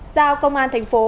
giao công an thành phố